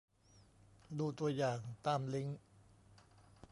ดูตัวอย่างตามลิงก์